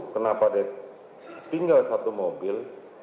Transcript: kenapa dia tinggal satu mobil